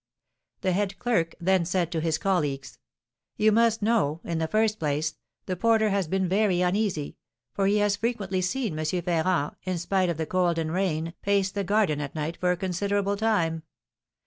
The head clerk then said to his colleagues, "You must know, in the first place, the porter has been very uneasy, for he has frequently seen M. Ferrand, in spite of the cold and rain, pace the garden at night for a considerable time.